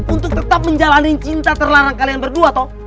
untuk tetap menjalani cinta terlarang kalian berdua toh